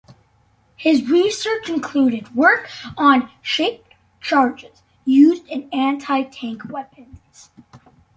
His research included work on shaped charges, used in anti-tank weapons.